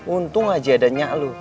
untung aja ada nya lu